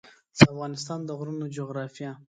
د افغانستان د غرونو جغرافیه